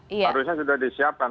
harusnya sudah disiapkan